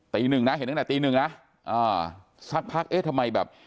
ตีหนึ่งนะเห็นตั้งแต่ตีหนึ่งนะอ่าสักพักเอ๊ะทำไมแบบ